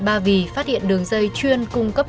ba vì phát hiện đường dây chuyên cung cấp